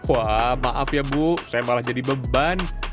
wah maaf ya bu saya malah jadi beban